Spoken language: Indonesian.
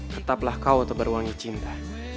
tetaplah kau terberwangi cinta